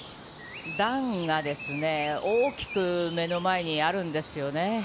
段が大きく目の前にあるんですよね。